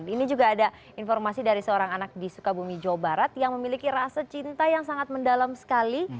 ini juga ada informasi dari seorang anak di sukabumi jawa barat yang memiliki rasa cinta yang sangat mendalam sekali